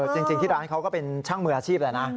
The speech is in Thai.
จริงที่ร้านเขาก็เป็นช่างมืออาชีพแหละนะ